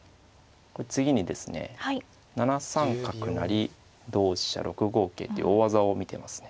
次にですね７三角成同飛車６五桂っていう大技を見てますね。